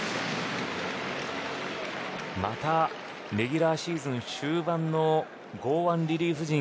また、レギュラーシーズン終盤の剛腕リリーフ陣